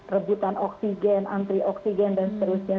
rebutan oksigen antri oksigen dan seterusnya